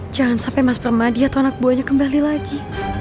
jangan sampai mas permadi atau anak buahnya kembali lagi